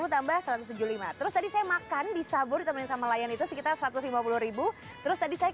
tambah satu ratus tujuh puluh lima terus tadi saya makan di sabur diteman sama layan itu sekitar satu ratus lima puluh terus tadi saya